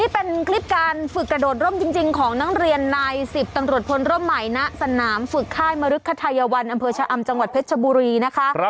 เป็นคลิปการฝึกกระโดดร่มจริงของนักเรียนนาย๑๐ตำรวจพลร่มใหม่ณสนามฝึกค่ายมริคไทยวันอำเภอชะอำจังหวัดเพชรชบุรีนะคะ